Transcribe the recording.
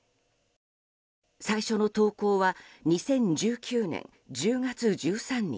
最初の投稿は２０１９年１０月１３日。